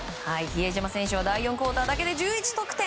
比江島選手は第４クオーターだけで１１得点。